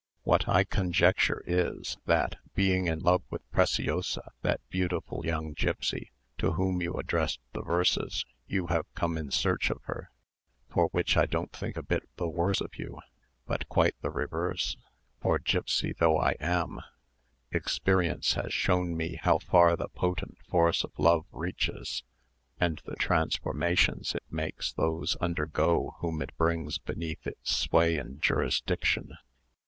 What I conjecture is, that being in love with Preciosa—that beautiful young gipsy, to whom you addressed the verses—you have come in search of her; for which I don't think a bit the worse of you, but quite the reverse: for gipsy though I am, experience has shown me how far the potent force of love reaches, and the transformations it makes those undergo whom it brings beneath its sway and jurisdiction.